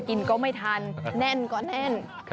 กินก็ไม่ทันแน่นก็แน่น